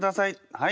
はい。